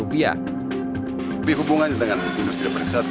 tapi hubungannya dengan industri pariwisata